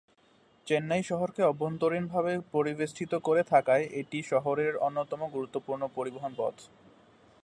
চেন্নাই শহরকে অভ্যন্তরীণভাবে পরিবেষ্টিত করে থাকায় এটি শহরের অন্যতম গুরুত্বপূর্ণ পরিবহন পথ।